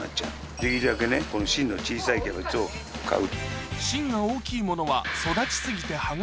できるだけねこの芯の小さいキャベツを買う。